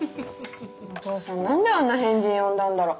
お父さん何であんな変人呼んだんだろう。